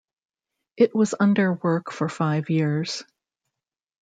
It was under work for five years.